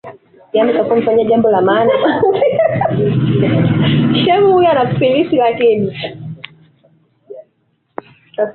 wanatumia kwa siku shilingi mia tano